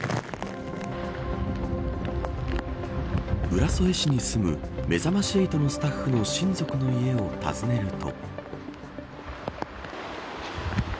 浦添市に住むめざまし８のスタッフの親族の家を訪ねると。